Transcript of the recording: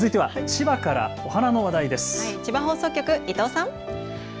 千葉放送局、伊藤さん。